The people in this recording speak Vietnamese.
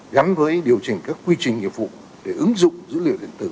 gắn với điều chỉnh các quy trình nghiệp vụ để ứng dụng dữ liệu điện tử